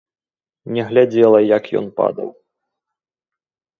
Не глядзела, як ён падаў.